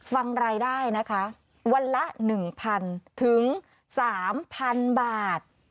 ฟังรายได้นะคะวันละ๑๐๐๐ถึง๓๐๐๐บาท